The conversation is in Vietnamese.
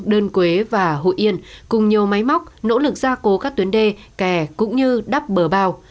đơn quế và hội yên cùng nhiều máy móc nỗ lực gia cố các tuyến đê kè cũng như đắp bờ bao